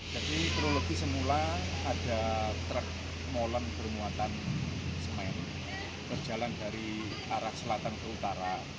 jadi prologi semula ada truk molen bermuatan semen berjalan dari arah selatan ke utara